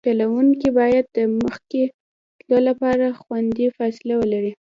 چلوونکی باید د مخکې تلو لپاره خوندي فاصله ولري